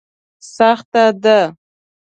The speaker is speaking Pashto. سخته ده.